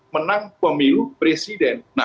menang pemilu presiden